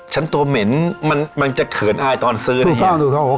ฉันตัวเหม็นมันมันจะเขินอายตอนซื้อนะเฮียถูกต้องถูกต้องโอ้โห